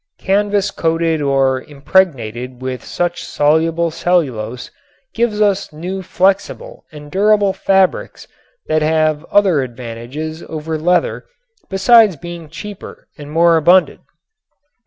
Canvas coated or impregnated with such soluble cellulose gives us new flexible and durable fabrics that have other advantages over leather besides being cheaper and more abundant.